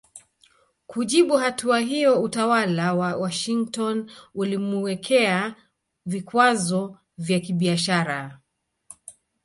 Kujibu hatua hiyo utawala wa Washington ulimuwekea vikwazo vya kibiashara